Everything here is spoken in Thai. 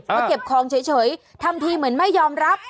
มาเก็บของเฉยทำทีเหมือนไม่ยอมรับ